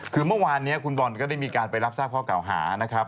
คือเมื่อวานนี้คุณบอลก็ได้มีการไปรับทราบข้อเก่าหานะครับ